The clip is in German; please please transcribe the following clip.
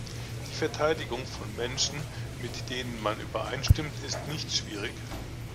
Die Verteidigung von Menschen, mit denen man übereinstimmt, ist nicht schwierig.